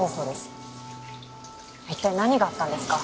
一体何があったんですか？